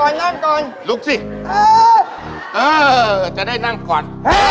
นั่งก่อนลุกสิเออจะได้นั่งก่อน